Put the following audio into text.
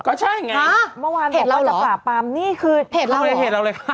ก็ใช่ไงเห็ดเราหรอเห็ดเราหรอเห็ดเราเลยค่ะ